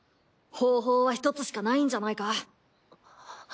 方法は１つしかないんじゃないか？